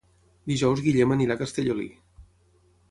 Dijous en Guillem anirà a Castellolí.